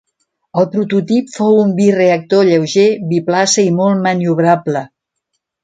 El prototip fou un bireactor lleuger, biplaça i molt maniobrable.